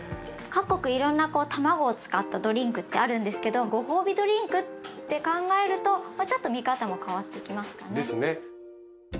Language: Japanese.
各国いろんなこうたまごを使ったドリンクってあるんですけどご褒美ドリンクって考えるとまあちょっと見方も変わってきますかね。ですね。